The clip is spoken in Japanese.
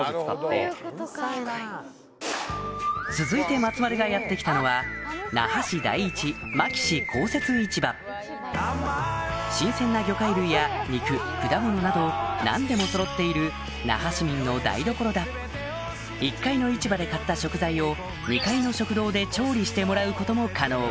続いて松丸がやってきたのは新鮮な魚介類や肉果物など何でもそろっている１階の市場で買った食材を２階の食堂で調理してもらうことも可能